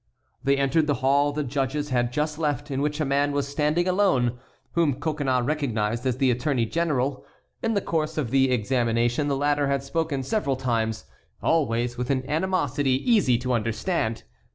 They entered the hall the judges had just left, in which a man was standing alone, whom Coconnas recognized as the Attorney General. In the course of the examination the latter had spoken several times, always with an animosity easy to understand.